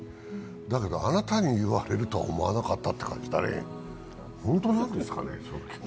だけど、あなたに言われるとは思わなかったっていう感じだね、本当なんですかね？